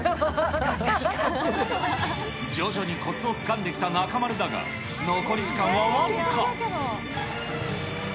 徐々にこつをつかんできた中丸だが、残り時間は僅か。